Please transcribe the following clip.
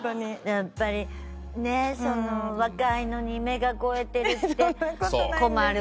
やっぱりね若いのに目が肥えてるって。